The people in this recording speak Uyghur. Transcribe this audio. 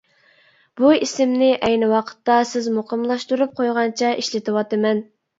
بۇ ئىسىمنى ئەينى ۋاقىتتا سىز مۇقىملاشتۇرۇپ قويغانچە ئىشلىتىۋاتىمەن.